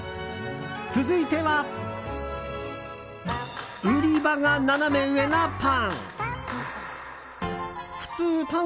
続いては売り場がナナメ上なパン。